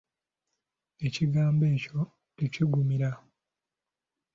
Ekigambo ekyo tekiggumira.